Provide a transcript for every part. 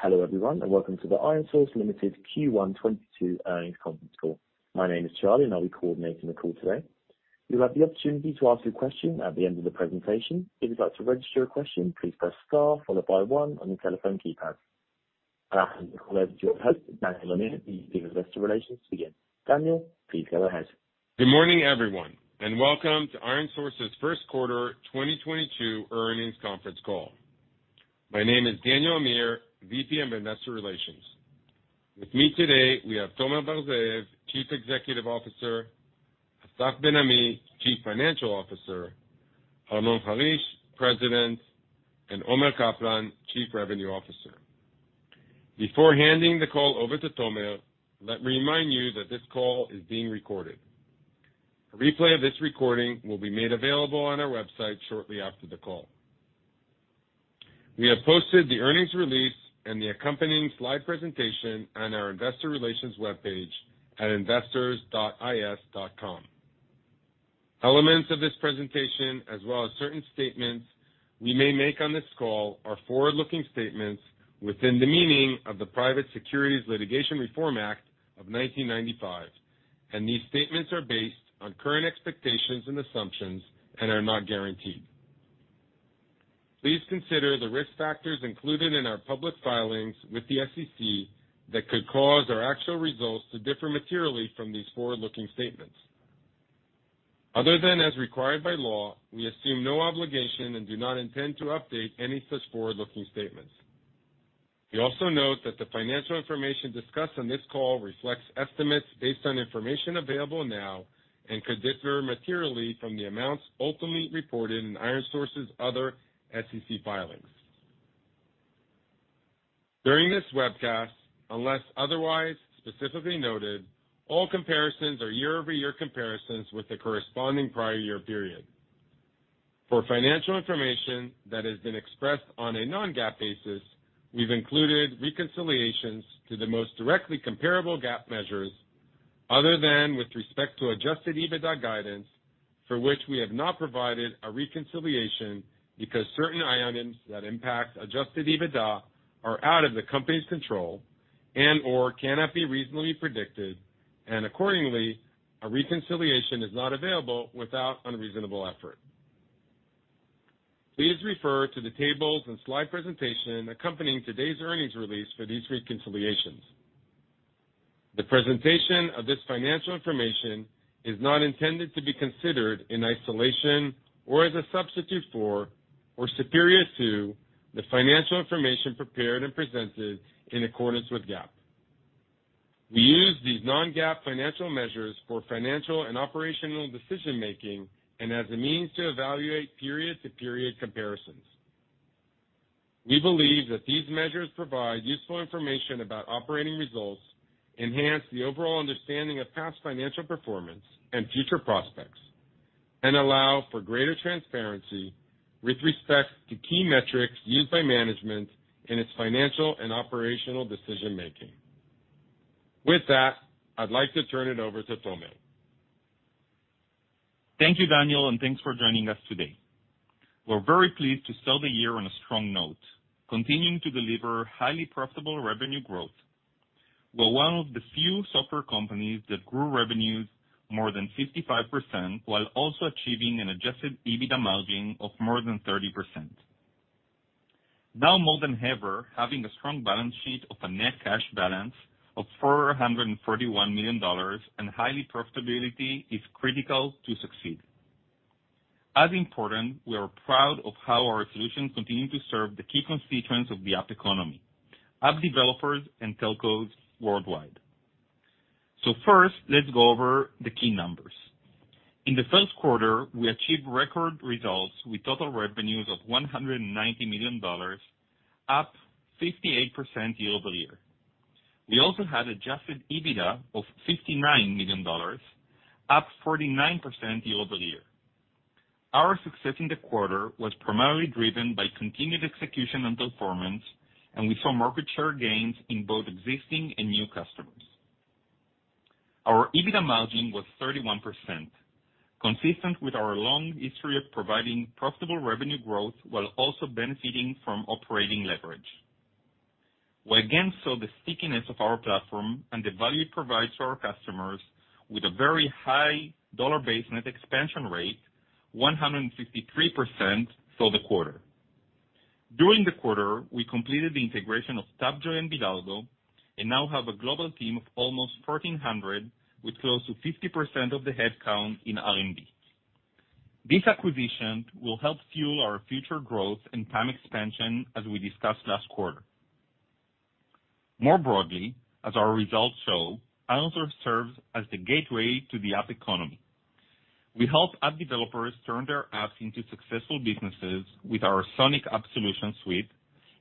Hello, everyone, and welcome to the ironSource Ltd. Q1 2022 earnings conference call. My name is Charlie, and I'll be coordinating the call today. You'll have the opportunity to ask a question at the end of the presentation. If you'd like to register your question, please press star followed by one on your telephone keypad. I'll now hand over to your host, Daniel Amir, the VP of Investor Relations to begin. Daniel, please go ahead. Good morning, everyone, and welcome to ironSource's Q1 2022 earnings conference call. My name is Daniel Amir, VP of Investor Relations. With me today, we have Tomer Bar-Zeev, Chief Executive Officer, Assaf Ben Ami, Chief Financial Officer, Arnon Harish, President, and Omer Kaplan, Chief Revenue Officer. Before handing the call over to Tomer, let me remind you that this call is being recorded. A replay of this recording will be made available on our website shortly after the call. We have posted the earnings release and the accompanying slide presentation on our investor relations webpage at investors.is.com. Elements of this presentation, as well as certain statements we may make on this call, are forward-looking statements within the meaning of the Private Securities Litigation Reform Act of 1995, and these statements are based on current expectations and assumptions and are not guaranteed. Please consider the risk factors included in our public filings with the SEC that could cause our actual results to differ materially from these forward-looking statements. Other than as required by law, we assume no obligation and do not intend to update any such forward-looking statements. We also note that the financial information discussed on this call reflects estimates based on information available now and could differ materially from the amounts ultimately reported in ironSource's other SEC filings. During this webcast, unless otherwise specifically noted, all comparisons are year-over-year comparisons with the corresponding prior year period. For financial information that has been expressed on a non-GAAP basis, we've included reconciliations to the most directly comparable GAAP measures other than with respect to adjusted EBITDA guidance, for which we have not provided a reconciliation because certain items that impact adjusted EBITDA are out of the company's control and/or cannot be reasonably predicted, and accordingly, a reconciliation is not available without unreasonable effort. Please refer to the tables and slide presentation accompanying today's earnings release for these reconciliations. The presentation of this financial information is not intended to be considered in isolation or as a substitute for or superior to the financial information prepared and presented in accordance with GAAP. We use these non-GAAP financial measures for financial and operational decision-making and as a means to evaluate period-to-period comparisons. We believe that these measures provide useful information about operating results, enhance the overall understanding of past financial performance and future prospects, and allow for greater transparency with respect to key metrics used by management in its financial and operational decision-making. With that, I'd like to turn it over to Tomer. Thank you, Daniel, and thanks for joining us today. We're very pleased to end the year on a strong note, continuing to deliver highly profitable revenue growth. We're one of the few software companies that grew revenues more than 55% while also achieving an adjusted EBITDA margin of more than 30%. Now more than ever, having a strong balance sheet of a net cash balance of $441 million and high profitability is critical to succeed. As important, we are proud of how our solutions continue to serve the key constituents of the app economy, app developers and telcos worldwide. First, let's go over the key numbers. In the Q1, we achieved record results with total revenues of $190 million, up 58% year-over-year. We also had adjusted EBITDA of $59 million, up 49% year-over-year. Our success in the quarter was primarily driven by continued execution and performance, and we saw market share gains in both existing and new customers. Our EBITDA margin was 31%, consistent with our long history of providing profitable revenue growth while also benefiting from operating leverage. We again saw the stickiness of our platform and the value it provides to our customers with a very high dollar-based net expansion rate, 153% for the quarter. During the quarter, we completed the integration of Tapjoy and Bidalgo and now have a global team of almost 1,400, with close to 50% of the headcount in R&D. This acquisition will help fuel our future growth and net expansion, as we discussed last quarter. More broadly, as our results show, ironSource serves as the gateway to the app economy. We help app developers turn their apps into successful businesses with our Sonic App Solution Suite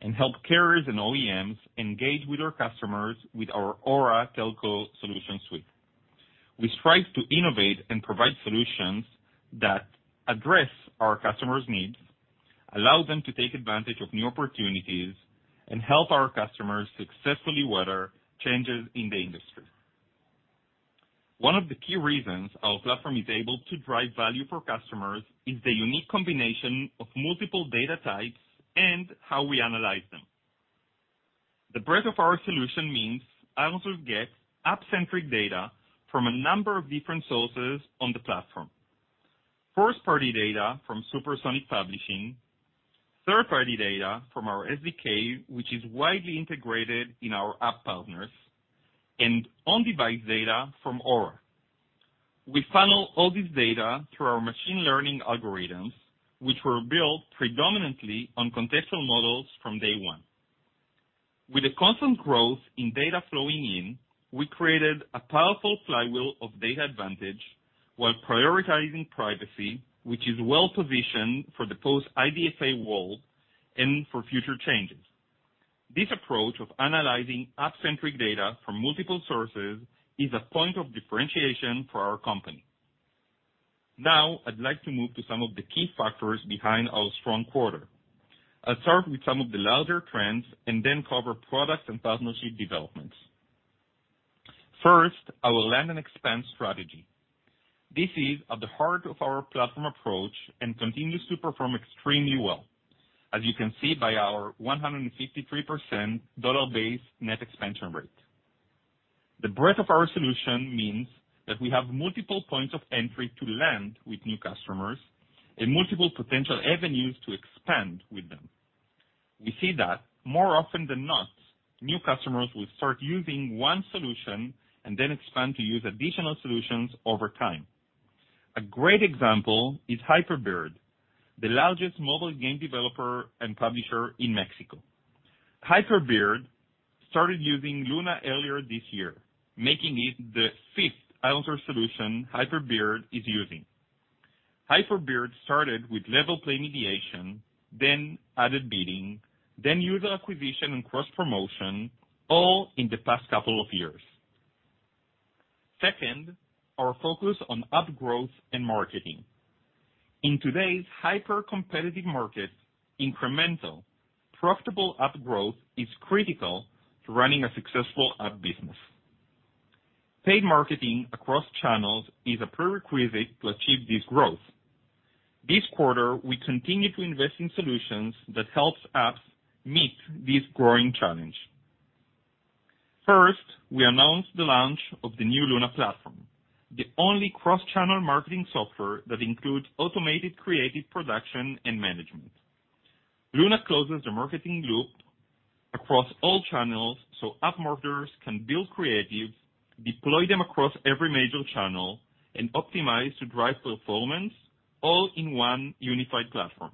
and help carriers and OEMs engage with our customers with our Aura Telco Solution Suite. We strive to innovate and provide solutions that address our customers' needs, allow them to take advantage of new opportunities, and help our customers successfully weather changes in the industry. One of the key reasons our platform is able to drive value for customers is the unique combination of multiple data types and how we analyze them. The breadth of our solution means ironSource gets app-centric data from a number of different sources on the platform. First-party data from Supersonic Publishing, third-party data from our SDK, which is widely integrated in our app partners, and on-device data from Aura. We funnel all this data through our machine learning algorithms, which were built predominantly on contextual models from day one. With the constant growth in data flowing in, we created a powerful flywheel of data advantage while prioritizing privacy, which is well-positioned for the post-IDFA world and for future changes. This approach of analyzing app-centric data from multiple sources is a point of differentiation for our company. Now, I'd like to move to some of the key factors behind our strong quarter. I'll start with some of the larger trends and then cover products and partnership developments. First, our land and expand strategy. This is at the heart of our platform approach and continues to perform extremely well, as you can see by our 153% dollar-based net expansion rate. The breadth of our solution means that we have multiple points of entry to land with new customers and multiple potential avenues to expand with them. We see that more often than not, new customers will start using one solution and then expand to use additional solutions over time. A great example is HyperBeard, the largest mobile game developer and publisher in Mexico. HyperBeard started using Luna earlier this year, making it the fifth ironSource solution HyperBeard is using. HyperBeard started with LevelPlay mediation, then added bidding, then user acquisition and cross-promotion, all in the past couple of years. Second, our focus on app growth and marketing. In today's hyper-competitive market, incremental profitable app growth is critical to running a successful app business. Paid marketing across channels is a prerequisite to achieve this growth. This quarter, we continue to invest in solutions that helps apps meet this growing challenge. First, we announced the launch of the new Luna platform, the only cross-channel marketing software that includes automated creative production and management. Luna closes the marketing loop across all channels so app marketers can build creative, deploy them across every major channel, and optimize to drive performance all in one unified platform.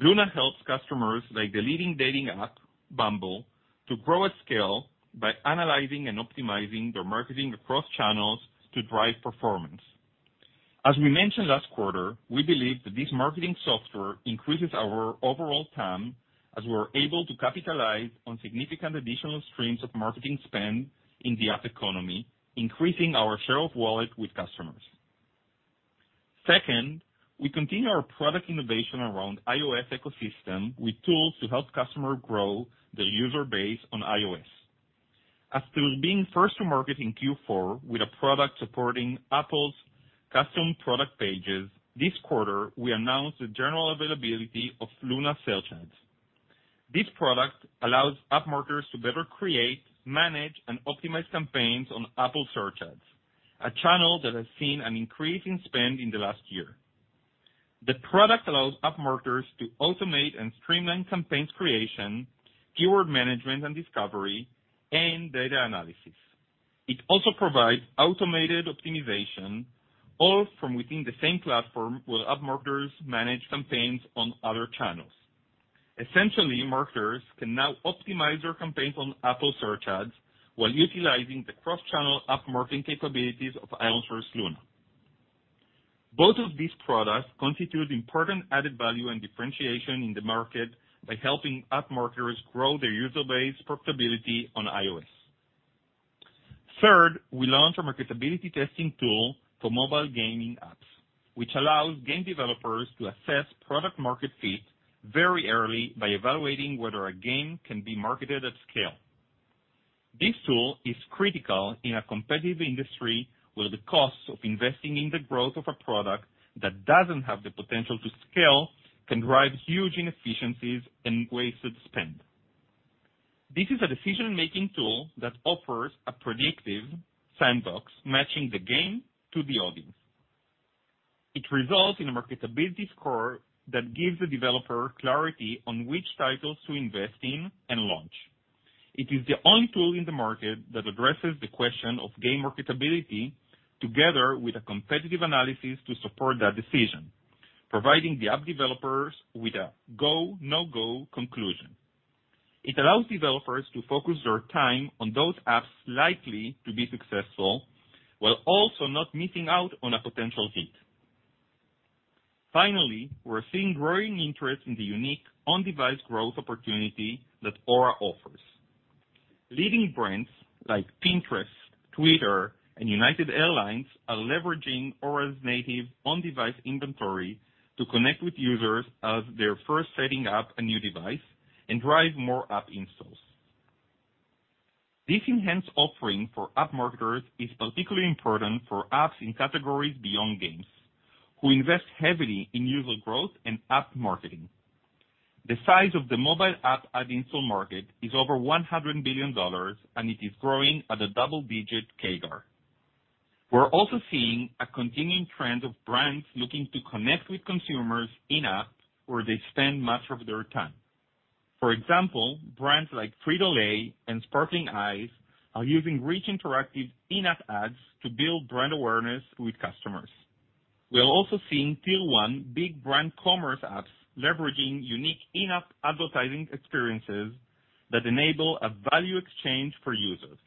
Luna helps customers like the leading dating app, Bumble, to grow at scale by analyzing and optimizing their marketing across channels to drive performance. As we mentioned last quarter, we believe that this marketing software increases our overall TAM as we're able to capitalize on significant additional streams of marketing spend in the app economy, increasing our share of wallet with customers. Second, we continue our product innovation around iOS ecosystem with tools to help customers grow their user base on iOS. After being first to market in Q4 with a product supporting Apple's custom product pages, this quarter, we announced the general availability of Luna Search Ads. This product allows app marketers to better create, manage, and optimize campaigns on Apple Search Ads, a channel that has seen an increase in spend in the last year. The product allows app marketers to automate and streamline campaign creation, keyword management and discovery, and data analysis. It also provides automated optimization, all from within the same platform where app marketers manage campaigns on other channels. Essentially, marketers can now optimize their campaigns on Apple Search Ads while utilizing the cross-channel app marketing capabilities of ironSource Luna. Both of these products constitute important added value and differentiation in the market by helping app marketers grow their user base profitably on iOS. Third, we launched a marketability testing tool for mobile gaming apps, which allows game developers to assess product market fit very early by evaluating whether a game can be marketed at scale. This tool is critical in a competitive industry where the costs of investing in the growth of a product that doesn't have the potential to scale can drive huge inefficiencies and wasted spend. This is a decision-making tool that offers a predictive sandbox, matching the game to the audience. It results in a marketability score that gives the developer clarity on which titles to invest in and launch. It is the only tool in the market that addresses the question of game marketability together with a competitive analysis to support that decision, providing the app developers with a go, no-go conclusion. It allows developers to focus their time on those apps likely to be successful while also not missing out on a potential hit. Finally, we're seeing growing interest in the unique on-device growth opportunity that Aura offers. Leading brands like Pinterest, Twitter, and United Airlines are leveraging Aura's native on-device inventory to connect with users as they're first setting up a new device and drive more app installs. This enhanced offering for app marketers is particularly important for apps in categories beyond games, who invest heavily in user growth and app marketing. The size of the mobile app ad install market is over $100 billion, and it is growing at a double-digit CAGR. We're also seeing a continuing trend of brands looking to connect with consumers in-app, where they spend much of their time. For example, brands like Frito-Lay and Sparkling Ice are using rich, interactive in-app ads to build brand awareness with customers. We are also seeing tier one big brand commerce apps leveraging unique in-app advertising experiences that enable a value exchange for users.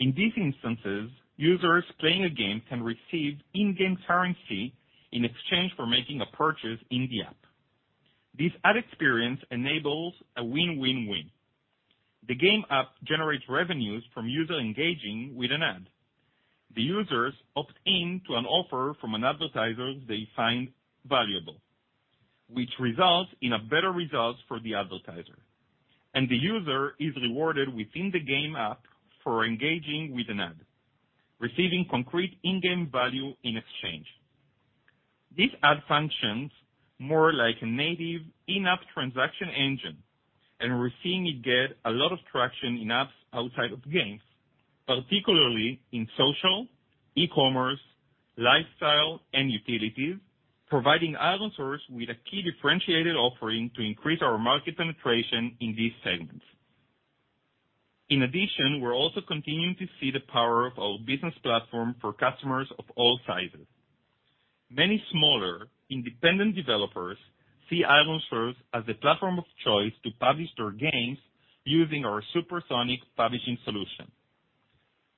In these instances, users playing a game can receive in-game currency in exchange for making a purchase in the app. This ad experience enables a win-win-win. The game app generates revenues from user engaging with an ad. The users opt in to an offer from an advertiser they find valuable, which results in a better result for the advertiser. The user is rewarded within the game app for engaging with an ad, receiving concrete in-game value in exchange. This ad functions more like a native in-app transaction engine, and we're seeing it get a lot of traction in apps outside of games, particularly in social, e-commerce, lifestyle, and utilities, providing ironSource with a key differentiated offering to increase our market penetration in these segments. In addition, we're also continuing to see the power of our business platform for customers of all sizes. Many smaller independent developers see ironSource as the platform of choice to publish their games using our Supersonic publishing solution.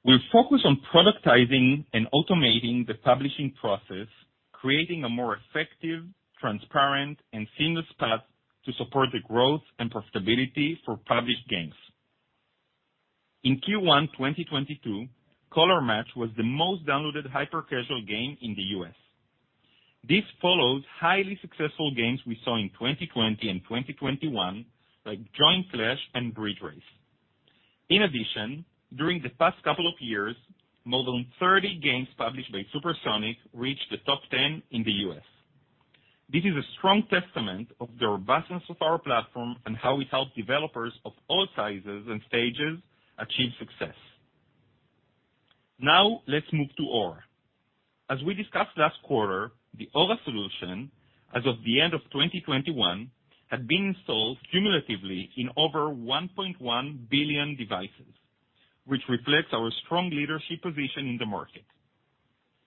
We're focused on productizing and automating the publishing process, creating a more effective, transparent, and seamless path to support the growth and profitability for published games. In Q1 2022, Color Match was the most downloaded hyper-casual game in the U.S. This follows highly successful games we saw in 2020 and 2021, like Join Clash and Bridge Race. In addition, during the past couple of years, more than 30 games published by Supersonic reached the top 10 in the U.S. This is a strong testament of the robustness of our platform and how we help developers of all sizes and stages achieve success. Now, let's move to Aura. As we discussed last quarter, the Aura solution, as of the end of 2021, had been installed cumulatively in over 1.1 billion devices, which reflects our strong leadership position in the market.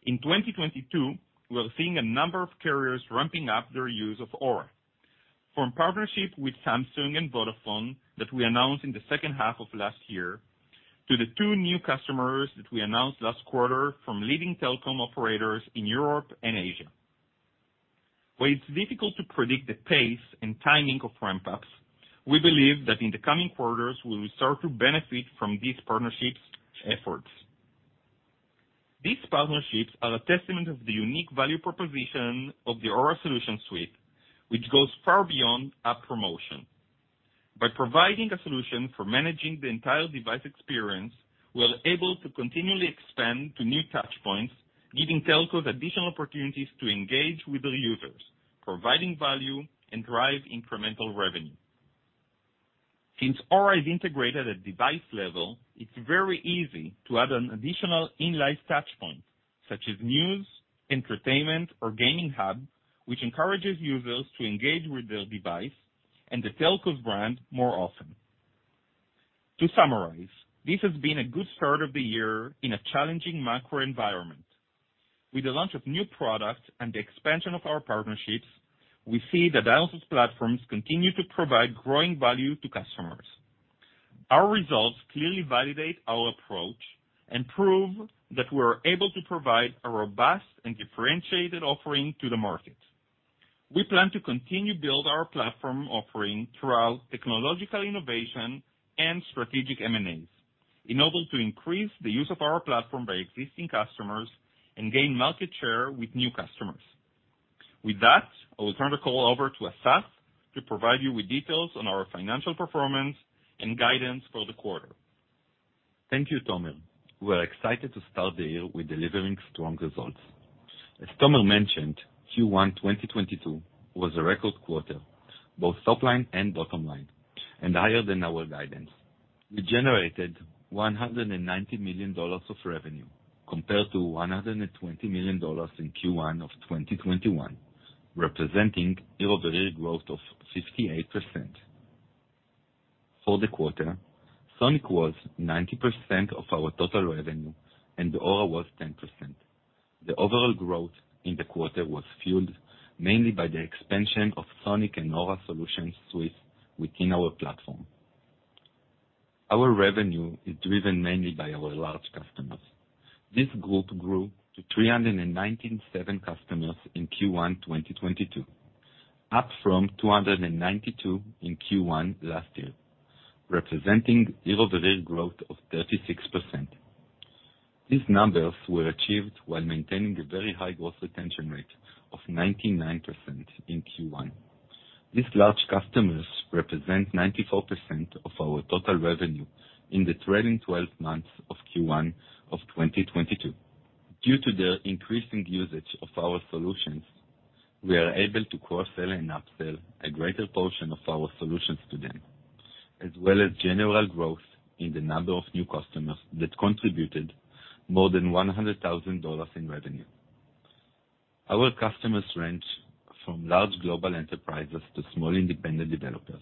In 2022, we are seeing a number of carriers ramping up their use of Aura. From partnership with Samsung and Vodafone that we announced in the H2 of last year, to the two new customers that we announced last quarter from leading telecom operators in Europe and Asia. While it's difficult to predict the pace and timing of ramp-ups, we believe that in the coming quarters, we will start to benefit from these partnerships' efforts. These partnerships are a testament to the unique value proposition of the Aura solution suite, which goes far beyond app promotion. By providing a solution for managing the entire device experience, we are able to continually expand to new touch points, giving telcos additional opportunities to engage with their users, providing value and driving incremental revenue. Since Aura is integrated at device level, it's very easy to add an additional in-life touch point, such as news, entertainment, or gaming hub, which encourages users to engage with their device and the telco's brand more often. To summarize, this has been a good start of the year in a challenging macro environment. With the launch of new products and the expansion of our partnerships, we see that ironSource platforms continue to provide growing value to customers. Our results clearly validate our approach and prove that we're able to provide a robust and differentiated offering to the market. We plan to continue to build our platform offering throughout technological innovation and strategic M&As, in order to increase the use of our platform by existing customers and gain market share with new customers. With that, I will turn the call over to Assaf to provide you with details on our financial performance and guidance for the quarter. Thank you, Tomer. We're excited to start the year with delivering strong results. As Tomer mentioned, Q1 2022 was a record quarter, both top line and bottom line, and higher than our guidance. We generated $190 million of revenue compared to $120 million in Q1 of 2021, representing year-over-year growth of 58%. For the quarter, Sonic was 90% of our total revenue, and Aura was 10%. The overall growth in the quarter was fueled mainly by the expansion of Sonic and Aura solution suites within our platform. Our revenue is driven mainly by our large customers. This group grew to 397 customers in Q1 2022, up from 292 in Q1 last year, representing year-over-year growth of 36%. These numbers were achieved while maintaining a very high gross retention rate of 99% in Q1. These large customers represent 94% of our total revenue in the trailing twelve months of Q1 of 2022. Due to their increasing usage of our solutions, we are able to cross-sell and up-sell a great proportion of our solutions to them, as well as general growth in the number of new customers that contributed more than $100,000 in revenue. Our customers range from large global enterprises to small independent developers.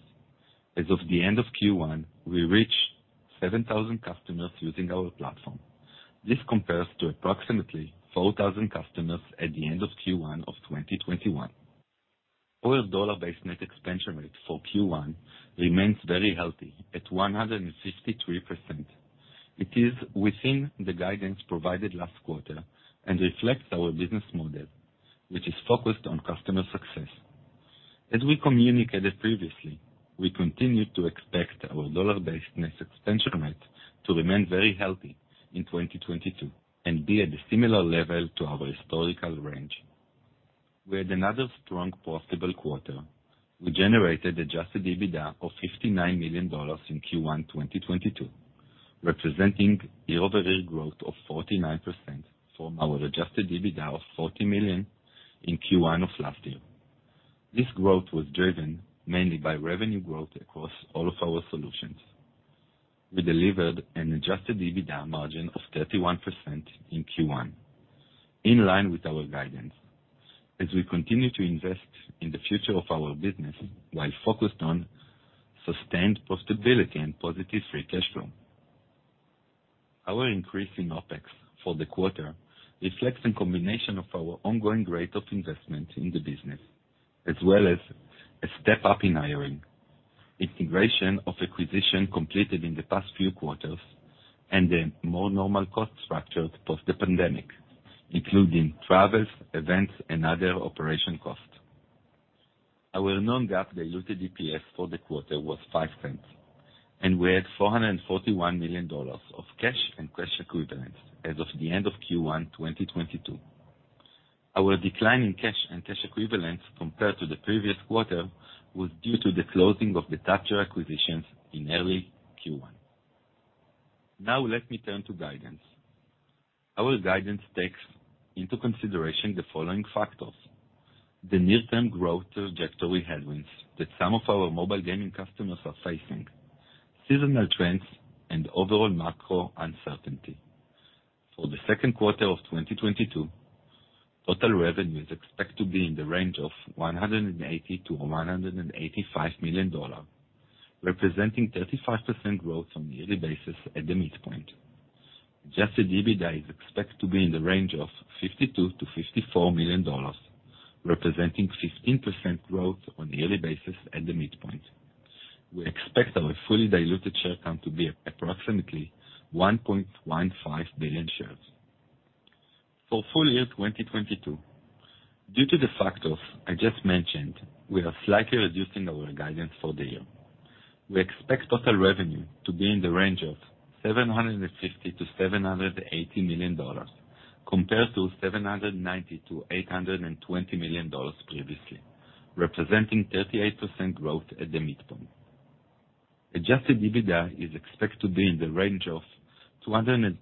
As of the end of Q1, we reached 7,000 customers using our platform. This compares to approximately 4,000 customers at the end of Q1 of 2021. Our dollar-based net expansion rate for Q1 remains very healthy at 153%. It is within the guidance provided last quarter and reflects our business model, which is focused on customer success. As we communicated previously, we continue to expect our dollar-based net expansion rate to remain very healthy in 2022 and be at a similar level to our historical range. We had another strong profitable quarter. We generated adjusted EBITDA of $59 million in Q1, 2022, representing year-over-year growth of 49% from our adjusted EBITDA of $40 million in Q1 of last year. This growth was driven mainly by revenue growth across all of our solutions. We delivered an adjusted EBITDA margin of 31% in Q1, in line with our guidance, as we continue to invest in the future of our business while focused on sustained profitability and positive free cash flow. Our increase in OpEx for the quarter reflects a combination of our ongoing rate of investment in the business, as well as a step-up in hiring, integration of acquisition completed in the past few quarters, and a more normal cost structure post the pandemic, including travel, events, and other operating costs. Our non-GAAP diluted EPS for the quarter was $0.05, and we had $441 million of cash and cash equivalents as of the end of Q1 2022. Our decline in cash and cash equivalents compared to the previous quarter was due to the closing of the Tapjoy acquisitions in early Q1. Now let me turn to guidance. Our guidance takes into consideration the following factors. The near-term growth trajectory headwinds that some of our mobile gaming customers are facing, seasonal trends, and overall macro uncertainty. For the Q2 of 2022, total revenue is expected to be in the range of $180 to 185 million, representing 35% growth on a yearly basis at the midpoint. Adjusted EBITDA is expected to be in the range of $52 to 54 million, representing 15% growth on a yearly basis at the midpoint. We expect our fully diluted share count to be approximately 1.15 billion shares. For full year 2022, due to the factors I just mentioned, we are slightly reducing our guidance for the year. We expect total revenue to be in the range of $750 to 780 million, compared to $790 to 820 million previously, representing 38% growth at the midpoint. Adjusted EBITDA is expected to be in the range of $230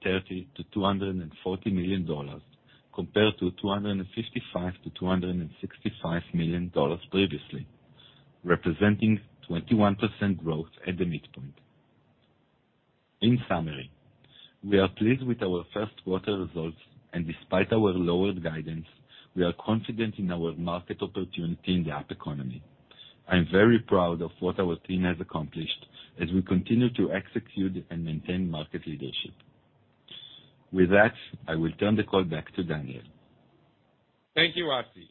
to 240 million, compared to $255 to 265 million previously, representing 21% growth at the midpoint. In summary, we are pleased with our Q1 results and despite our lowered guidance, we are confident in our market opportunity in the app economy. I am very proud of what our team has accomplished as we continue to execute and maintain market leadership. With that, I will turn the call back to Daniel. Thank you, Assaf.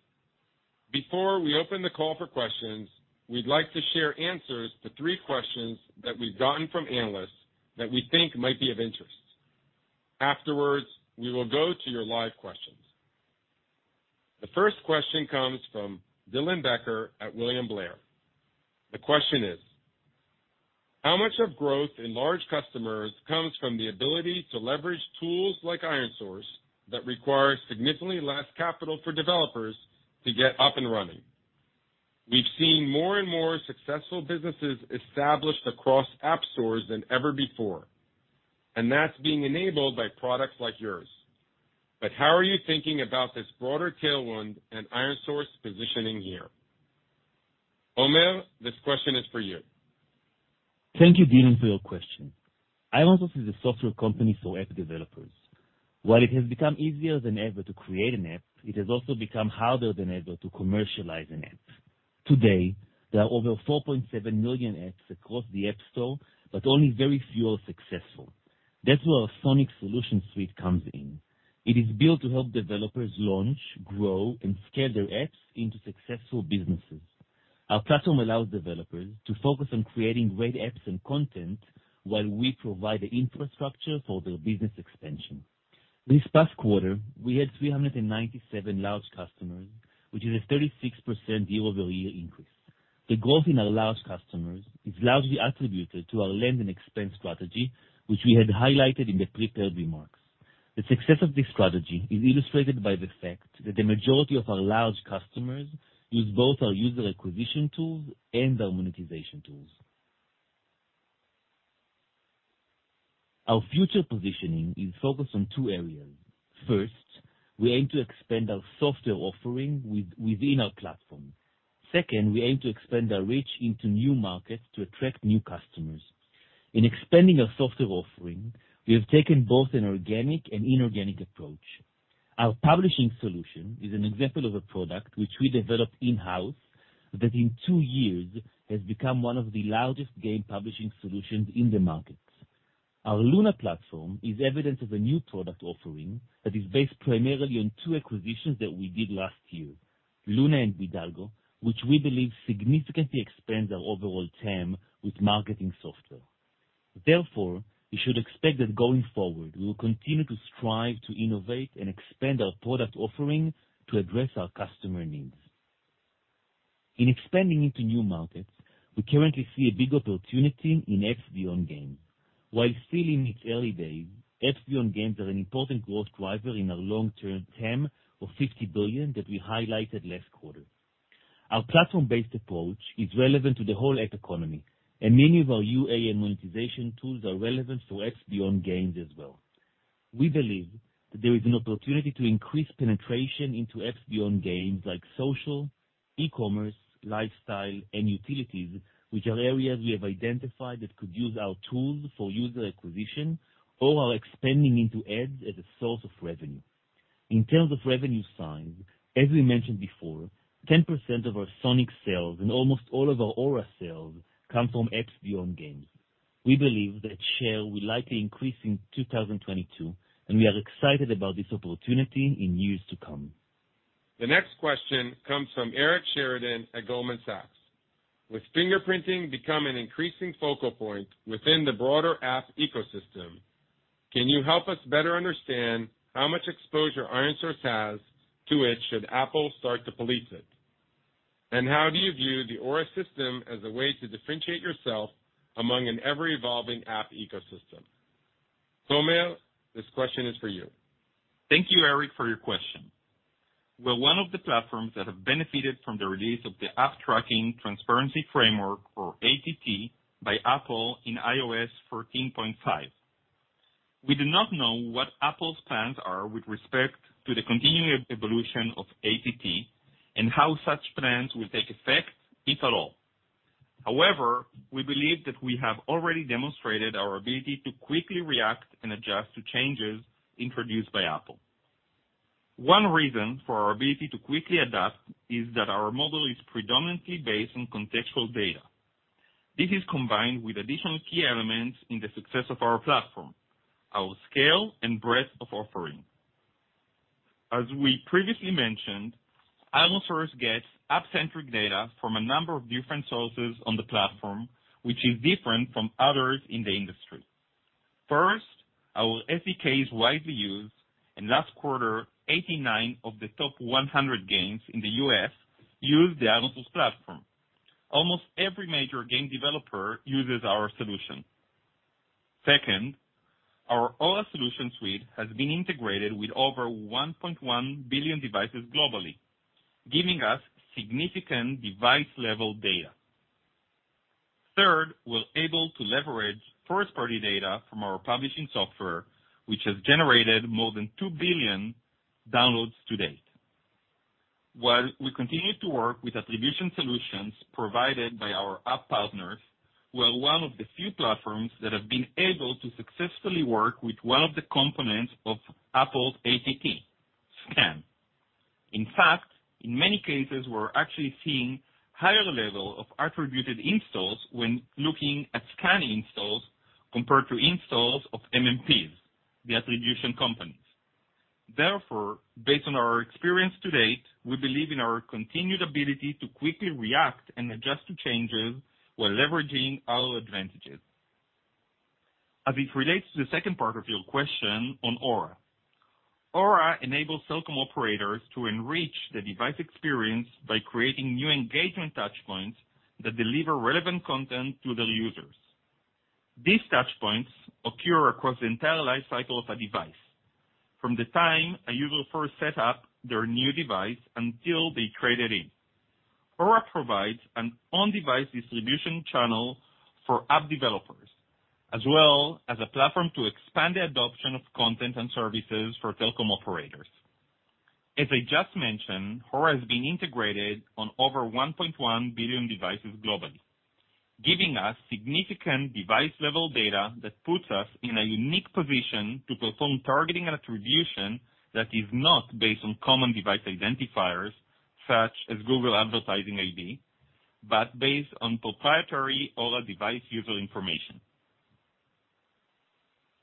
Before we open the call for questions, we'd like to share answers to three questions that we've gotten from analysts that we think might be of interest. Afterwards, we will go to your live questions. The first question comes from Dylan Becker at William Blair. The question is: How much of growth in large customers comes from the ability to leverage tools like ironSource that require significantly less capital for developers to get up and running? We've seen more and more successful businesses established across app stores than ever before, and that's being enabled by products like yours. But how are you thinking about this broader tailwind and ironSource positioning here? Omer, this question is for you. Thank you, Dylan, for your question. ironSource is a software company for app developers. While it has become easier than ever to create an app, it has also become harder than ever to commercialize an app. Today, there are over 4.7 million apps across the App Store, but only very few are successful. That's where our Sonic solution suite comes in. It is built to help developers launch, grow, and scale their apps into successful businesses. Our platform allows developers to focus on creating great apps and content while we provide the infrastructure for their business expansion. This past quarter, we had 397 large customers, which is a 36% year-over-year increase. The growth in our large customers is largely attributed to our land and expand strategy, which we had highlighted in the prepared remarks. The success of this strategy is illustrated by the fact that the majority of our large customers use both our user acquisition tools and our monetization tools. Our future positioning is focused on two areas. First, we aim to expand our software offering within our platform. Second, we aim to expand our reach into new markets to attract new customers. In expanding our software offering, we have taken both an organic and inorganic approach. Our publishing solution is an example of a product which we developed in-house that in two years has become one of the largest game publishing solutions in the market. Our Luna platform is evidence of a new product offering that is based primarily on two acquisitions that we did last year, Luna and Bidalgo, which we believe significantly expands our overall TAM with marketing software. Therefore, you should expect that going forward, we will continue to strive to innovate and expand our product offering to address our customer needs. In expanding into new markets, we currently see a big opportunity in apps beyond games. While still in its early days, apps beyond games are an important growth driver in our long-term TAM of $50 billion that we highlighted last quarter. Our platform-based approach is relevant to the whole app economy, and many of our UA and monetization tools are relevant to apps beyond games as well. We believe that there is an opportunity to increase penetration into apps beyond games like social, e-commerce, lifestyle, and utilities, which are areas we have identified that could use our tools for user acquisition or are expanding into ads as a source of revenue. In terms of revenue size, as we mentioned before, 10% of our Sonic sales and almost all of our Aura sales come from apps beyond games. We believe that share will likely increase in 2022, and we are excited about this opportunity in years to come. The next question comes from Eric Sheridan at Goldman Sachs. With fingerprinting becoming an increasing focal point within the broader app ecosystem, can you help us better understand how much exposure ironSource has to it should Apple start to police it? How do you view the Aura system as a way to differentiate yourself among an ever-evolving app ecosystem? Tomer, this question is for you. Thank you, Eric, for your question. We're one of the platforms that have benefited from the release of the App Tracking Transparency framework, or ATT, by Apple in iOS 14.5. We do not know what Apple's plans are with respect to the continuing evolution of ATT and how such plans will take effect, if at all. However, we believe that we have already demonstrated our ability to quickly react and adjust to changes introduced by Apple. One reason for our ability to quickly adapt is that our model is predominantly based on contextual data. This is combined with additional key elements in the success of our platform, our scale and breadth of offering. As we previously mentioned, ironSource gets app-centric data from a number of different sources on the platform, which is different from others in the industry. First, our SDK is widely used. In last quarter, 89 of the top 100 games in the U.S. used the ironSource platform. Almost every major game developer uses our solution. Second, our Aura solution suite has been integrated with over 1.1 billion devices globally, giving us significant device-level data. Third, we're able to leverage first-party data from our publishing software, which has generated more than two billion downloads to date. While we continue to work with attribution solutions provided by our app partners, we're one of the few platforms that have been able to successfully work with one of the components of Apple's ATT, SKAN. In fact, in many cases, we're actually seeing higher level of attributed installs when looking at SKAN installs compared to installs of MMPs, the attribution companies. Therefore, based on our experience to date, we believe in our continued ability to quickly react and adjust to changes while leveraging our advantages. As it relates to the second part of your question on Aura enables telco operators to enrich the device experience by creating new engagement touch points that deliver relevant content to their users. These touch points occur across the entire life cycle of a device, from the time a user first set up their new device until they trade it in. Aura provides an on-device distribution channel for app developers, as well as a platform to expand the adoption of content and services for telco operators. As I just mentioned, Aura has been integrated on over 1.1 billion devices globally, giving us significant device-level data that puts us in a unique position to perform targeting and attribution that is not based on common device identifiers, such as Google Advertising ID, but based on proprietary Aura device user information.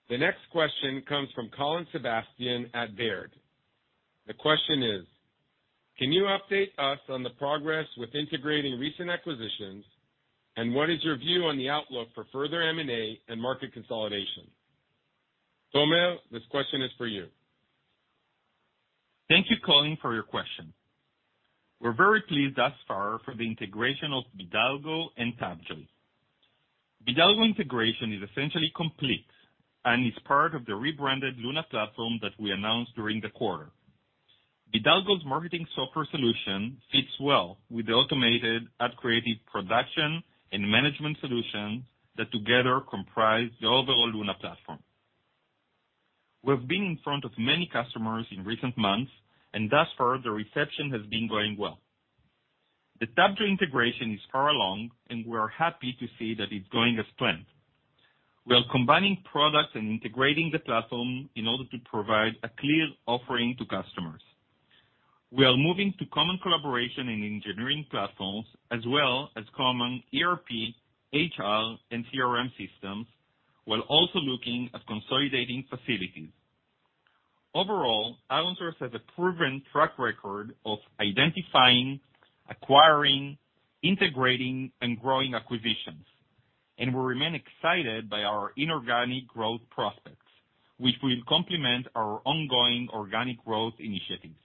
The next question comes from Colin Sebastian at Baird. The question is: Can you update us on the progress with integrating recent acquisitions, and what is your view on the outlook for further M&A and market consolidation? Tomer, this question is for you. Thank you, Colin, for your question. We're very pleased thus far for the integration of Bidalgo and Tapjoy. Bidalgo integration is essentially complete and is part of the rebranded Luna platform that we announced during the quarter. Bidalgo's marketing software solution fits well with the automated ad creative production and management solution that together comprise the overall Luna platform. We have been in front of many customers in recent months, and thus far, the reception has been going well. The Tapjoy integration is far along, and we are happy to see that it's going as planned. We are combining products and integrating the platform in order to provide a clear offering to customers. We are moving to common collaboration in engineering platforms as well as common ERP, HR, and CRM systems, while also looking at consolidating facilities. Overall, ironSource has a proven track record of identifying, acquiring, integrating, and growing acquisitions, and we remain excited by our inorganic growth prospects, which will complement our ongoing organic growth initiatives.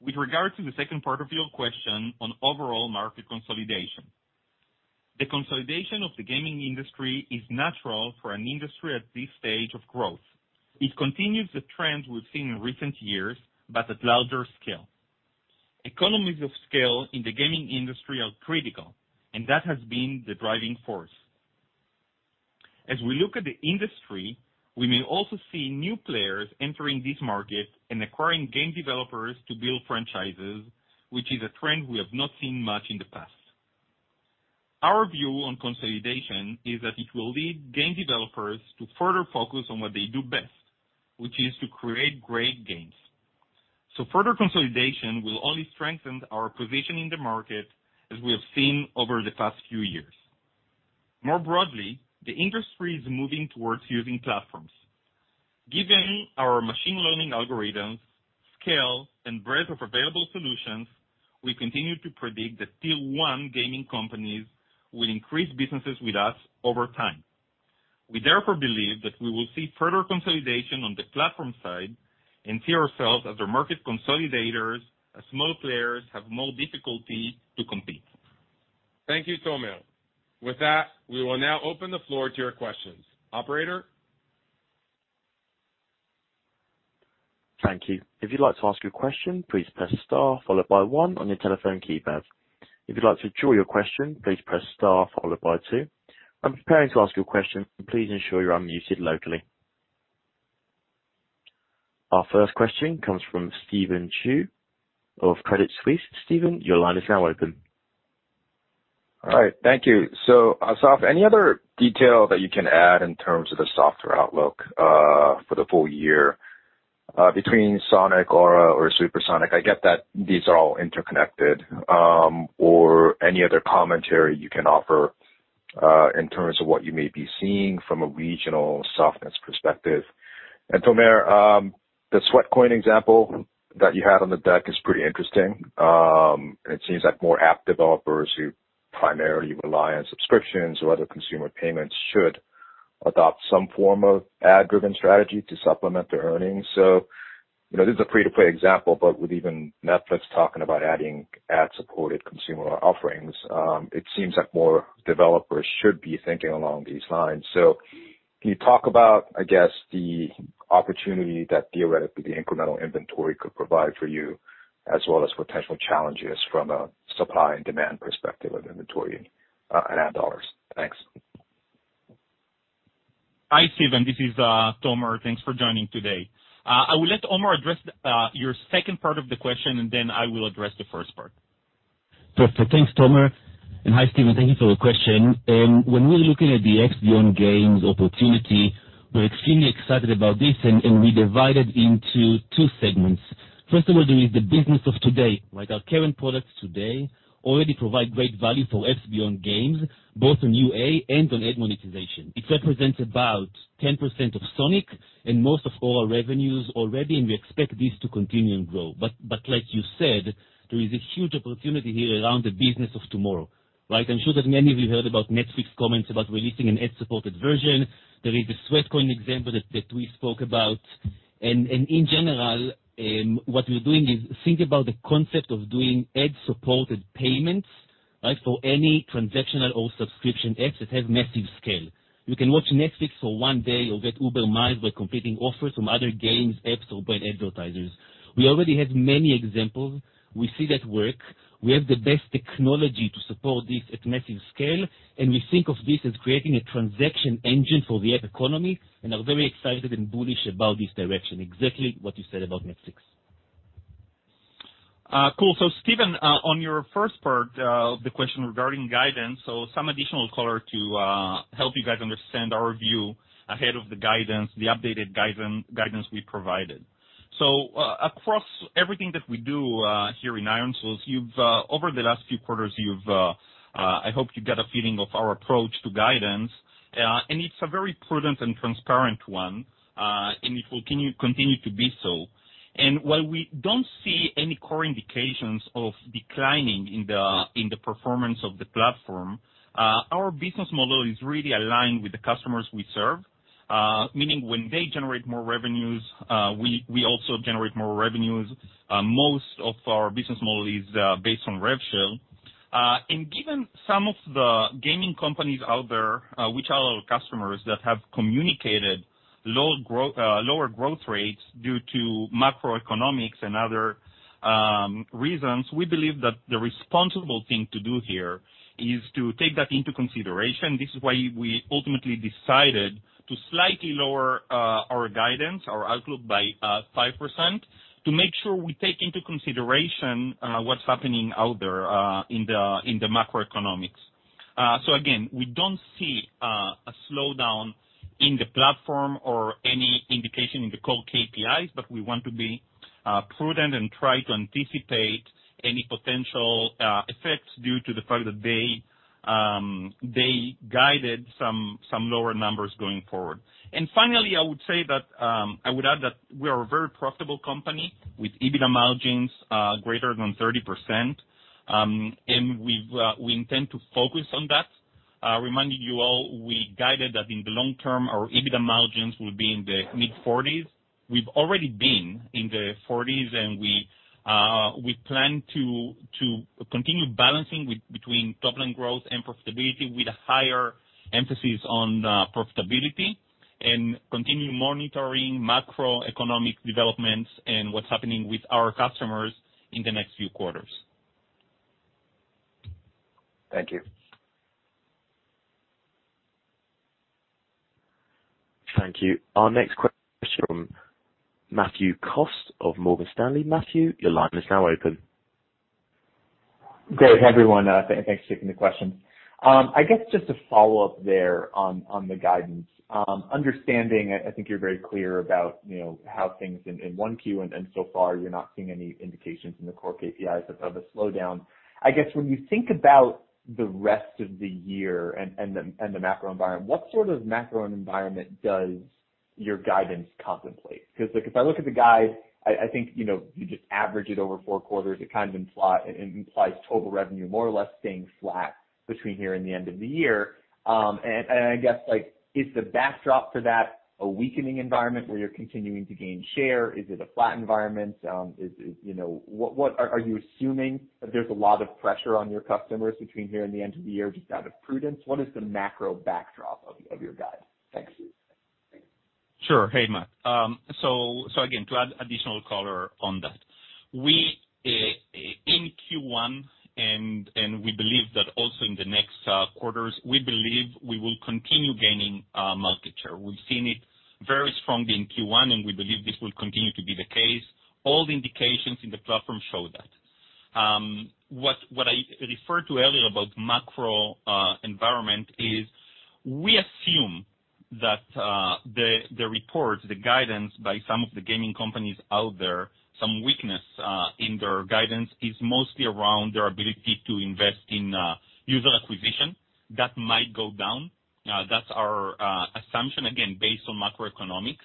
With regard to the second part of your question on overall market consolidation. The consolidation of the gaming industry is natural for an industry at this stage of growth. It continues the trend we've seen in recent years, but at larger scale. Economies of scale in the gaming industry are critical, and that has been the driving force. As we look at the industry, we may also see new players entering this market and acquiring game developers to build franchises, which is a trend we have not seen much in the past. Our view on consolidation is that it will lead game developers to further focus on what they do best, which is to create great games. Further consolidation will only strengthen our position in the market as we have seen over the past few years. More broadly, the industry is moving towards using platforms. Given our machine learning algorithms, scale, and breadth of available solutions, we continue to predict that tier one gaming companies will increase businesses with us over time. We therefore believe that we will see further consolidation on the platform side and see ourselves as the market consolidators as small players have more difficulty to compete. Thank you, Tomer. With that, we will now open the floor to your questions. Operator? Thank you. If you'd like to ask your question, please press star followed by one on your telephone keypad. If you'd like to withdraw your question, please press star followed by two. When preparing to ask your question, please ensure you're unmuted locally. Our first question comes from Stephen Ju of Credit Suisse. Stephen, your line is now open. All right. Thank you. Assaf, any other detail that you can add in terms of the software outlook, for the full year, between Sonic or Supersonic? I get that these are all interconnected. Any other commentary you can offer, in terms of what you may be seeing from a regional softness perspective. Tomer, the Sweatcoin example that you had on the deck is pretty interesting. It seems like more app developers who primarily rely on subscriptions or other consumer payments should adopt some form of ad-driven strategy to supplement their earnings. You know, this is a free-to-play example, but with even Netflix talking about adding ad-supported consumer offerings, it seems like more developers should be thinking along these lines. Can you talk about, I guess, the opportunity that theoretically the incremental inventory could provide for you, as well as potential challenges from a supply and demand perspective of inventory, and ad dollars? Thanks. Hi, Stephen. This is Tomer. Thanks for joining today. I will let Omer address your second part of the question, and then I will address the first part. Perfect. Thanks, Tomer. Hi, Stephen. Thank you for your question. When we're looking at the apps beyond games opportunity, we're extremely excited about this, and we divide it into two segments. First of all, there is the business of today. Like, our current products today already provide great value for apps beyond games, both on UA and on ad monetization. It represents about 10% of Sonic and most of all our revenues already, and we expect this to continue and grow. Like you said, there is a huge opportunity here around the business of tomorrow, right? I'm sure that many of you heard about Netflix comments about releasing an ad-supported version. There is the Sweatcoin example that we spoke about. In general, what we're doing is think about the concept of doing ad-supported payments, right? For any transactional or subscription apps that have massive scale. You can watch Netflix for one day or get Uber Miles by completing offers from other games, apps, or brand advertisers. We already have many examples. We see that work. We have the best technology to support this at massive scale, and we think of this as creating a transaction engine for the app economy and are very excited and bullish about this direction. Exactly what you said about Netflix. Cool. Stephen, on your first part of the question regarding guidance, some additional color to help you guys understand our view ahead of the guidance, the updated guidance we provided. Across everything that we do here in ironSource, you've over the last few quarters, I hope you get a feeling of our approach to guidance. It's a very prudent and transparent one, and it will continue to be so. While we don't see any core indications of declining in the performance of the platform, our business model is really aligned with the customers we serve. Meaning when they generate more revenues, we also generate more revenues. Most of our business model is based on rev share. Given some of the gaming companies out there, which are our customers that have communicated lower growth rates due to macroeconomics and other reasons, we believe that the responsible thing to do here is to take that into consideration. This is why we ultimately decided to slightly lower our guidance, our outlook by 5% to make sure we take into consideration what's happening out there in the macroeconomics. Again, we don't see a slowdown in the platform or any indication in the core KPIs, but we want to be prudent and try to anticipate any potential effects due to the fact that they guided some lower numbers going forward. Finally, I would say that I would add that we are a very profitable company with EBITDA margins greater than 30%. We intend to focus on that. Reminding you all, we guided that in the long term, our EBITDA margins will be in the mid-40s. We've already been in the 40s, and we plan to continue balancing between top-line growth and profitability with a higher emphasis on profitability and continue monitoring macroeconomic developments and what's happening with our customers in the next few quarters. Thank you. Thank you. Our next question is from Matthew Cost of Morgan Stanley. Matthew, your line is now open. Great, everyone. Thanks for taking the question. I guess just to follow up there on the guidance, understanding, and I think you're very clear about, you know, how things in Q1, and so far you're not seeing any indications in the core KPIs of a slowdown. I guess when you think about the rest of the year and the macro environment, what sort of macro environment does your guidance contemplate? Because, like, if I look at the guide, I think, you know, you just average it over four quarters, it implies total revenue more or less staying flat between here and the end of the year. I guess, like, is the backdrop for that a weakening environment where you're continuing to gain share? Is it a flat environment? Are you assuming that there's a lot of pressure on your customers between here and the end of the year just out of prudence? What is the macro backdrop of your guide? Thanks. Sure. Hey, Matt. So again, to add additional color on that, we, in Q1, and we believe that also in the next quarters, we believe we will continue gaining market share. We've seen it very strongly in Q1, and we believe this will continue to be the case. All the indications in the platform show that. What I referred to earlier about macro environment is we assume that the reports, the guidance by some of the gaming companies out there, some weakness in their guidance is mostly around their ability to invest in user acquisition that might go down. That's our assumption, again, based on macroeconomics.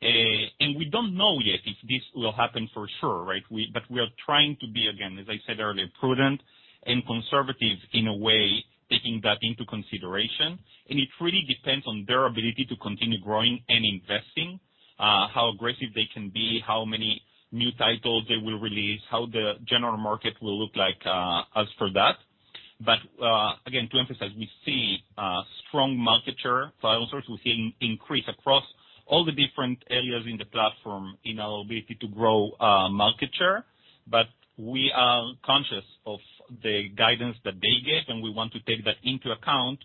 We don't know yet if this will happen for sure, right? We are trying to be, again, as I said earlier, prudent and conservative in a way, taking that into consideration. It really depends on their ability to continue growing and investing, how aggressive they can be, how many new titles they will release, how the general market will look like, as for that. Again, to emphasize, we see strong market share. I also see an increase across all the different areas in the platform in our ability to grow market share, but we are conscious of the guidance that they gave, and we want to take that into account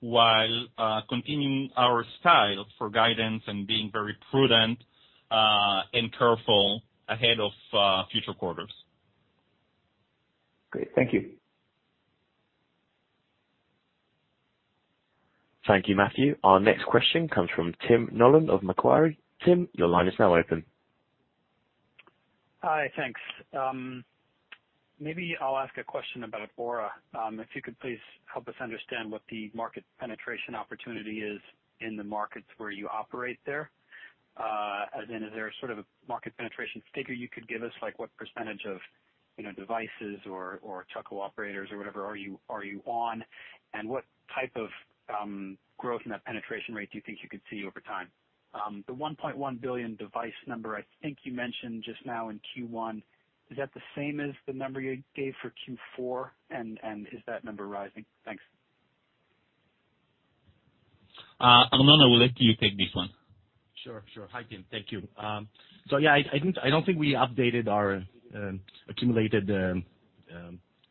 while continuing our style for guidance and being very prudent and careful ahead of future quarters. Great. Thank you. Thank you, Matthew. Our next question comes from Tim Nollen of Macquarie. Tim, your line is now open. Hi. Thanks. Maybe I'll ask a question about Aura. If you could please help us understand what the market penetration opportunity is in the markets where you operate there. As in is there a sort of a market penetration figure you could give us, like what percentage of, you know, devices or telco operators or whatever are you on? And what type of growth in that penetration rate do you think you could see over time? The 1.1 billion device number I think you mentioned just now in Q1, is that the same as the number you gave for Q4? And is that number rising? Thanks. Arnon, I will let you take this one. Sure, sure. Hi, Tim. Thank you. So yeah, I don't think we updated our accumulated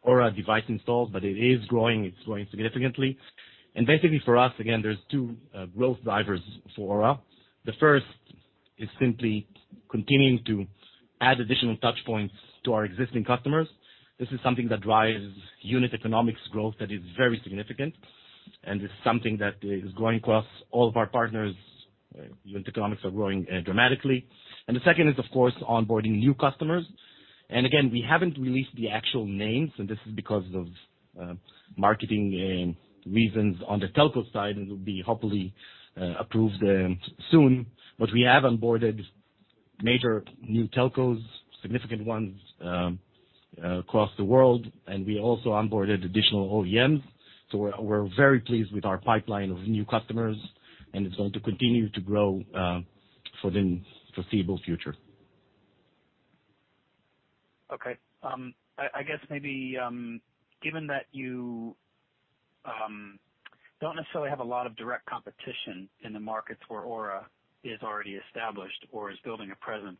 Aura device installs, but it is growing significantly. Basically for us again, there's two growth drivers for Aura. The first is simply continuing to add additional touch points to our existing customers. This is something that drives unit economics growth that is very significant, and it's something that is growing across all of our partners. Unit economics are growing dramatically. The second is, of course, onboarding new customers. Again, we haven't released the actual names, and this is because of marketing reasons on the telco side. It will be hopefully approved soon. We have onboarded major new telcos, significant ones across the world, and we also onboarded additional OEMs. We're very pleased with our pipeline of new customers, and it's going to continue to grow for the foreseeable future. Okay. I guess maybe, given that you don't necessarily have a lot of direct competition in the markets where Aura is already established or is building a presence,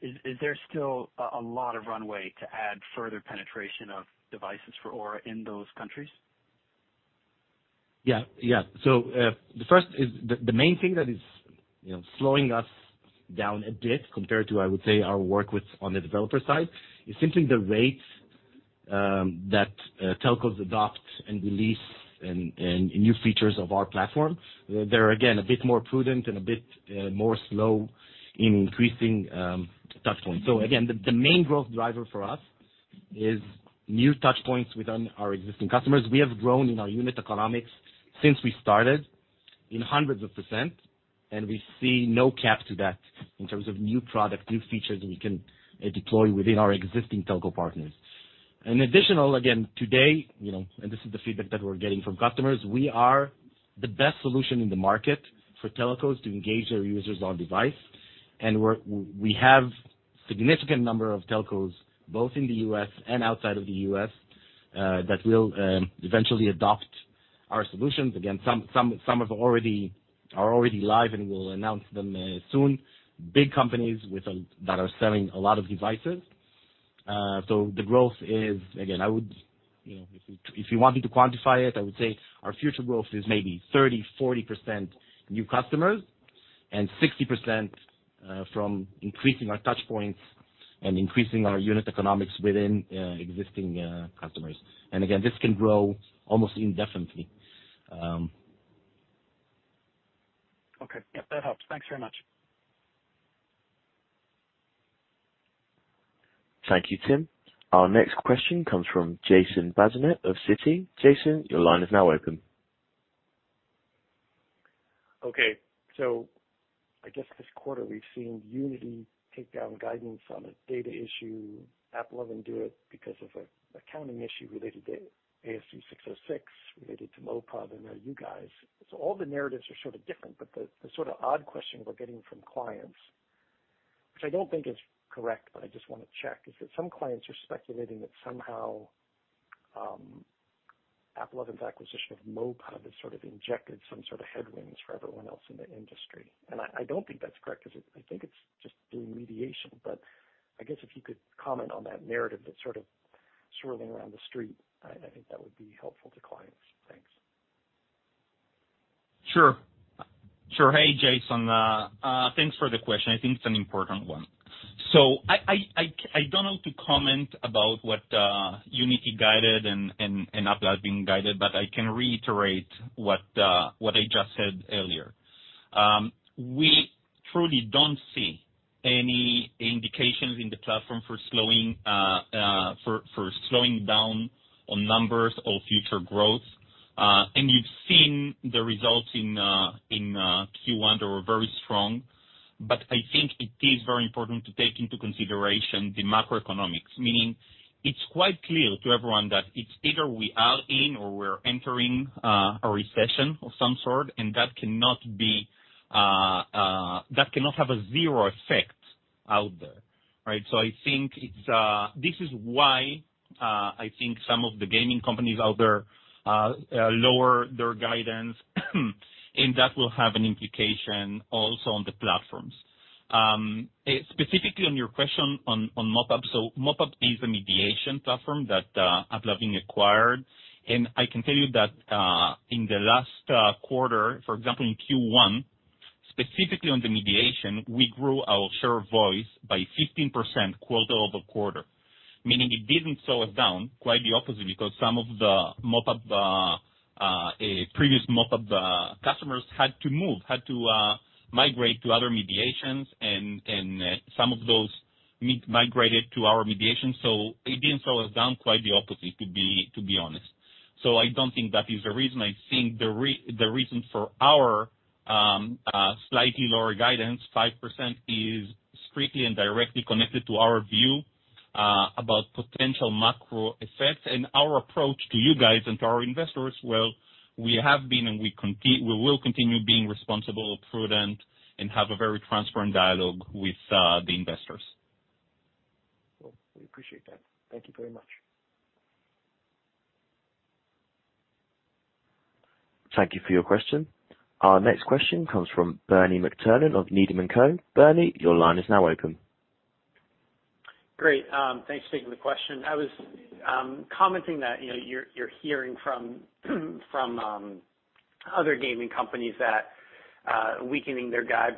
is there still a lot of runway to add further penetration of devices for Aura in those countries? The main thing that is, you know, slowing us down a bit compared to, I would say, our work on the developer side, is simply the rates that telcos adopt and release and new features of our platform. They're again a bit more prudent and a bit more slow in increasing touch points. The main growth driver for us is new touch points within our existing customers. We have grown in our unit economics since we started in hundreds of percent, and we see no cap to that in terms of new product, new features we can deploy within our existing telco partners. In addition, again, today, you know, this is the feedback that we're getting from customers. We are the best solution in the market for telcos to engage their users on device. We have significant number of telcos, both in the U.S. and outside of the U.S., that will eventually adopt our solutions. Again, some have already are already live, and we'll announce them soon. Big companies with that are selling a lot of devices. The growth is. Again, I would. You know, if you want me to quantify it, I would say our future growth is maybe 30% to 40% new customers and 60% from increasing our touch points and increasing our unit economics within existing customers. Again, this can grow almost indefinitely. Okay. Yep, that helps. Thanks very much. Thank you, Tim. Our next question comes from Jason Bazinet of Citi. Jason, your line is now open. Okay. I guess this quarter we've seen Unity take down guidance on a data issue, AppLovin do it because of an accounting issue related to ASC 606, related to MoPub and now you guys. All the narratives are sort of different, but the sort of odd question we're getting from clients, which I don't think is correct, but I just wanna check, is that some clients are speculating that somehow, AppLovin's acquisition of MoPub has sort of injected some sort of headwinds for everyone else in the industry. I don't think that's correct. I think it's just doing mediation. I guess if you could comment on that narrative that's sort of swirling around the street, I think that would be helpful to clients. Thanks. Sure. Hey, Jason. Thanks for the question. I think it's an important one. I don't know to comment about what Unity guided and AppLovin guided, but I can reiterate what I just said earlier. We truly don't see any indications in the platform for slowing down on numbers or future growth. You've seen the results in Q1. They were very strong. I think it is very important to take into consideration the macroeconomics. Meaning, it's quite clear to everyone that it's either we are in or we're entering a recession of some sort, and that cannot have a zero effect out there, right? I think it's This is why I think some of the gaming companies out there lower their guidance, and that will have an implication also on the platforms. Specifically on your question on MoPub. MoPub is a mediation platform that AppLovin acquired. I can tell you that in the last quarter, for example, in Q1, specifically on the mediation, we grew our share of voice by 15% quarter-over-quarter, meaning it didn't slow us down. Quite the opposite, because some of the previous MoPub customers had to migrate to other mediations and some of those migrated to our mediation, so it didn't slow us down. Quite the opposite, to be honest. I don't think that is the reason. I think the reason for our slightly lower guidance, 5%, is strictly and directly connected to our view about potential macro effects. Our approach to you guys and to our investors, well, we have been and we will continue being responsible, prudent, and have a very transparent dialogue with the investors. Well, we appreciate that. Thank you very much. Thank you for your question. Our next question comes from Bernie McTernan of Needham & Company. Bernie, your line is now open. Great. Thanks for taking the question. I was commenting that, you know, you're hearing from other gaming companies that weakening their guide.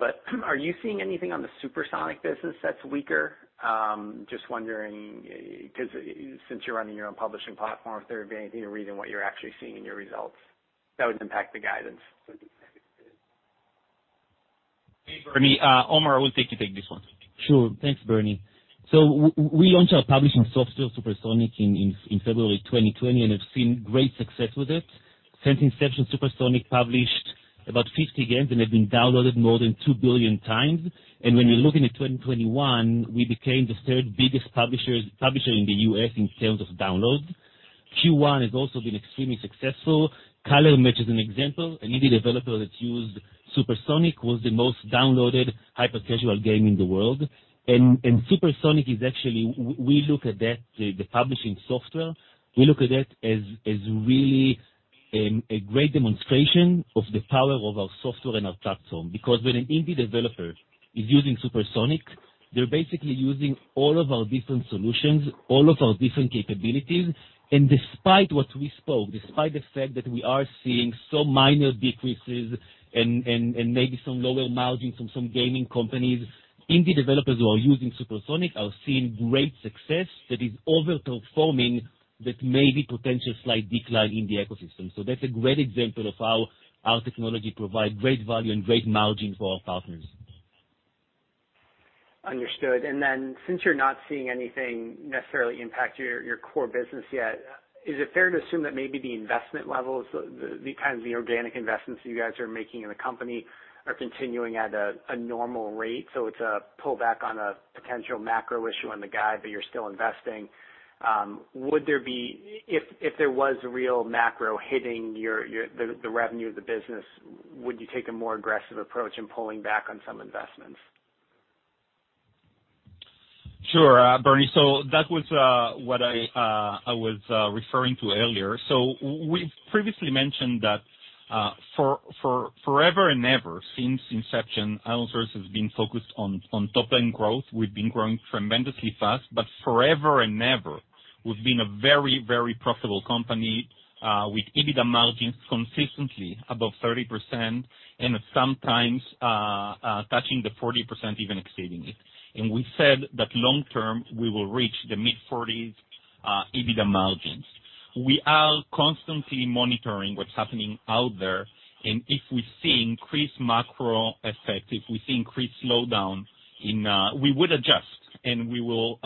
Are you seeing anything on the Supersonic business that's weaker? Just wondering, 'cause since you're running your own publishing platform, if there would be anything you read in what you're actually seeing in your results that would impact the guidance for the H2 of the year. Hey, Bernie. Omer, I will let you take this one. Sure. Thanks, Bernie. We launched our publishing software, Supersonic, in February 2020, and have seen great success with it. Since inception, Supersonic published about 50 games and have been downloaded more than two billion times. When you look into 2021, we became the third-biggest publisher in the U.S. in terms of downloads. Q1 has also been extremely successful. Color Match is an example. An indie developer that's used Supersonic was the most downloaded hyper-casual game in the world. Supersonic is actually. We look at that, the publishing software, we look at that as really a great demonstration of the power of our software and our platform. Because when an indie developer is using Supersonic, they're basically using all of our different solutions, all of our different capabilities. Despite what we spoke, despite the fact that we are seeing some minor decreases and maybe some lower margins from some gaming companies, indie developers who are using Supersonic are seeing great success that is over-performing that maybe potential slight decline in the ecosystem. That's a great example of how our technology provide great value and great margin for our partners. Understood. Since you're not seeing anything necessarily impact your core business yet, is it fair to assume that maybe the investment levels, the kinds of the organic investments you guys are making in the company are continuing at a normal rate? It's a pull back on a potential macro issue on the guide, but you're still investing. If there was a real macro hitting your the revenue of the business, would you take a more aggressive approach in pulling back on some investments? Sure, Bernie. That was what I was referring to earlier. We've previously mentioned that for forever and ever since inception, ironSource has been focused on top line growth. We've been growing tremendously fast, but forever and ever, we've been a very profitable company with EBITDA margins consistently above 30% and sometimes touching the 40%, even exceeding it. We said that long term, we will reach the mid-40s EBITDA margins. We are constantly monitoring what's happening out there, and if we see increased macro effect, if we see increased slowdown. We would adjust, and we will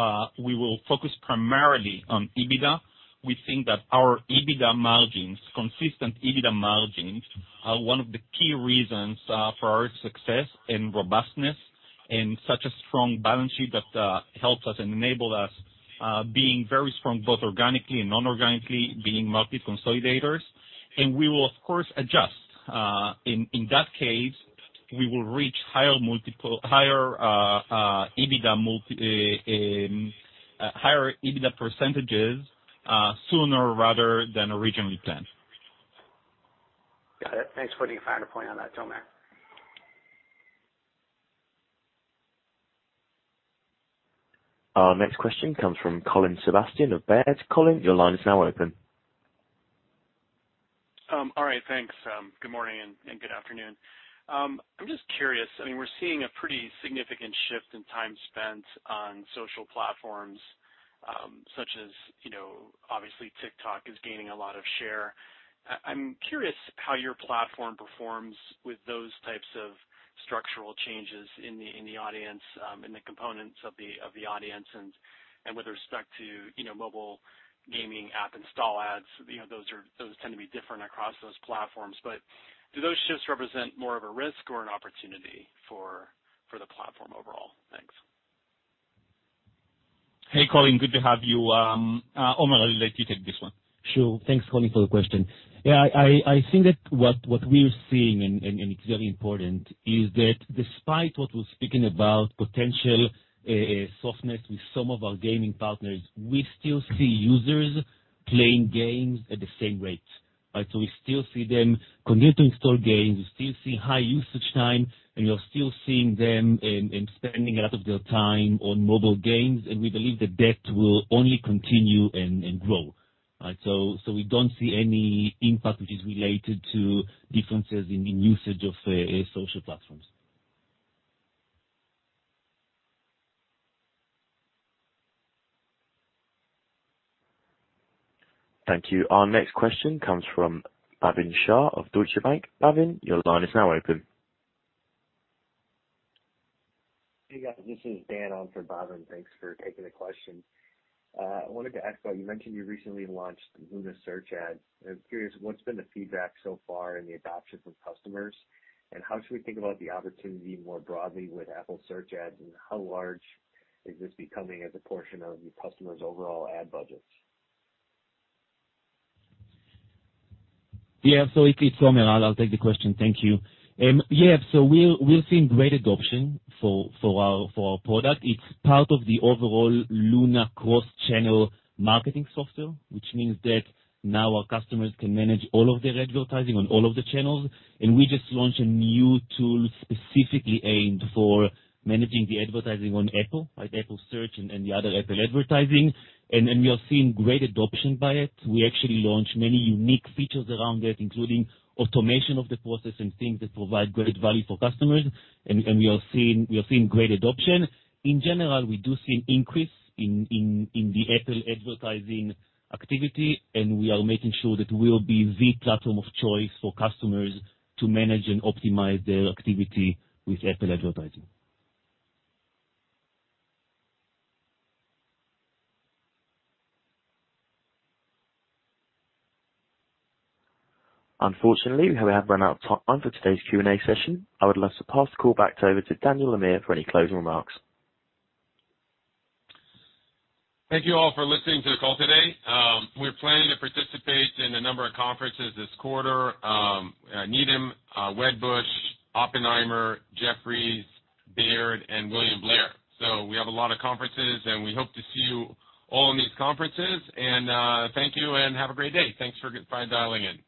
focus primarily on EBITDA. We think that our EBITDA margins, consistent EBITDA margins, are one of the key reasons for our success and robustness and such a strong balance sheet that helps us and enable us being very strong, both organically and non-organically, being multi-consolidators. We will of course adjust. In that case, we will reach higher EBITDA multiple, higher EBITDA percentages sooner rather than originally planned. Got it. Thanks for clarifying the point on that, Tomer. Our next question comes from Colin Sebastian of Baird. Colin, your line is now open. All right. Thanks. Good morning and good afternoon. I'm just curious, I mean, we're seeing a pretty significant shift in time spent on social platforms, such as, you know, obviously TikTok is gaining a lot of share. I'm curious how your platform performs with those types of structural changes in the audience, in the components of the audience and with respect to, you know, mobile gaming app install ads. You know, those tend to be different across those platforms. But do those shifts represent more of a risk or an opportunity for the platform overall? Thanks. Hey, Colin. Good to have you. Omer, I'll let you take this one. Sure. Thanks, Colin, for the question. Yeah. I think that what we're seeing, and it's very important, is that despite what we're speaking about potential softness with some of our gaming partners, we still see users playing games at the same rate, right? So we still see them continue to install games, we still see high usage time, and we are still seeing them spending a lot of their time on mobile games, and we believe that will only continue and grow, right? So we don't see any impact which is related to differences in usage of social platforms. Thank you. Our next question comes from Bhavin Shah of Deutsche Bank. Bhavin, your line is now open. Hey, guys. This is Dan on for Bhavin. Thanks for taking the question. I wanted to ask about, you mentioned you recently launched Luna Search Ads. I'm curious, what's been the feedback so far and the adoption from customers? And how should we think about the opportunity more broadly with Apple Search Ads, and how large is this becoming as a portion of your customers' overall ad budgets? Yeah. It's Omer. I'll take the question. Thank you. Yeah. We're seeing great adoption for our product. It's part of the overall Luna cross-channel marketing software, which means that now our customers can manage all of their advertising on all of the channels. We just launched a new tool specifically aimed for managing the advertising on Apple, right? Apple Search Ads and the other Apple advertising. We're seeing great adoption of it. We actually launched many unique features around it, including automation of the process and things that provide great value for customers. We're seeing great adoption. In general, we do see an increase in the Apple advertising activity, and we are making sure that we'll be the platform of choice for customers to manage and optimize their activity with Apple advertising. Unfortunately, we have run out of time for today's Q&A session. I would like to pass the call back over to Daniel Amir for any closing remarks. Thank you all for listening to the call today. We're planning to participate in a number of conferences this quarter. Needham, Wedbush, Oppenheimer, Jefferies, Baird, and William Blair. We have a lot of conferences, and we hope to see you all in these conferences. Thank you and have a great day. Thanks for dialing in.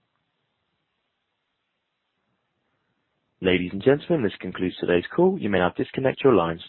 Ladies and gentlemen, this concludes today's call. You may now disconnect your lines.